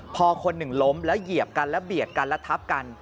พอคนหนึ่งล้มแล้วเหยียบกันแล้วเบียดกันแล้วทับกัน